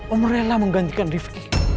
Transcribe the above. om rela menggantikan rifki